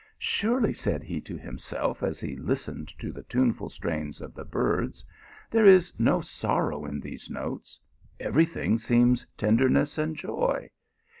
" Surely," said he to himself as he listened to the tuneful strains of the birds, " there is no sorrow in those notes : every thing seems tenderness and joy.